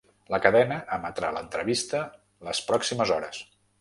La cadena emetrà l’entrevista les pròximes hores.